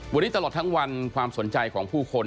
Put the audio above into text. วันนี้ตลอดทั้งวันความสนใจของผู้คน